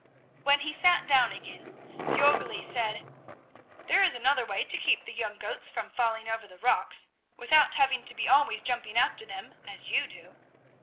When he sat down again, Jörgli said: "There is another way to keep the young goats from falling over the rocks, without having to be always jumping after them, as you do."